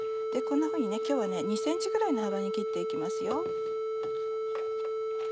こんなふうに今日は２ｃｍぐらいの幅に切って行きますよ。